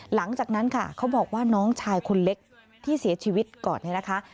หลังจากนั้นค่ะเขาบอกว่าน้องชายคนเล็กที่เสียชีวิตก่อนเนี่ยนะคะ